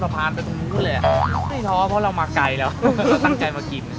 ตั้งใจมากิน